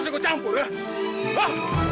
gak usah pake uang